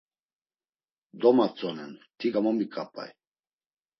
“Domatzonen ti gamomiǩapay!”